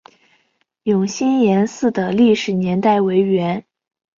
永兴岩寺的历史年代为元。